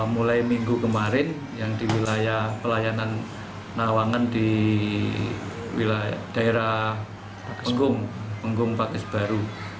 mulai minggu kemarin yang di wilayah pelayanan nawangan di daerah penggung pakis baru